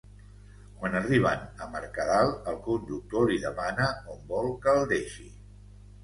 Quan arriben a Mercadal el conductor li demana on vol que el deixi.